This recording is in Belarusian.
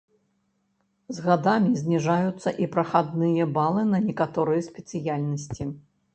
З гадамі зніжаюцца і прахадныя балы на некаторыя спецыяльнасці.